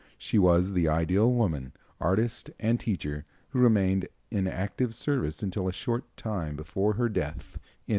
She was the ideal woman, artist and teacher who remained in active service until a short time before her death, in 1896.